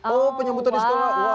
oh penyambutan di sekolah